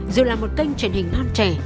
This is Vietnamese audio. dù là một kênh truyền hình non trẻ